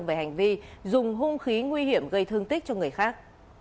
về hành vi dùng hung khí nguy hiểm gây thương tích cho người khác